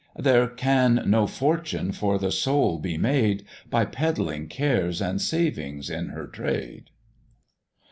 There can no fortune for the Soul be made, By peddling cares and savings in her trade.